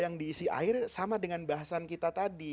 yang diisi air sama dengan bahasan kita tadi